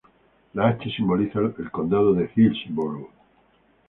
La "H" simboliza el Condado de Hillsborough.